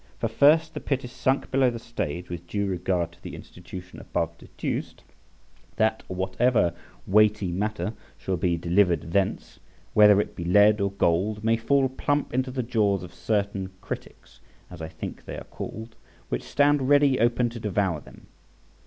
For, first, the pit is sunk below the stage with due regard to the institution above deduced, that whatever weighty matter shall be delivered thence, whether it be lead or gold, may fall plump into the jaws of certain critics, as I think they are called, which stand ready open to devour them.